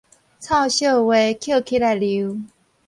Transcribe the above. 臭液話抾起來餾